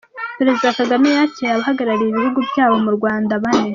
Perezida Kagame yakiriye abahagarariye ibihugu byabo mu Rwanda bane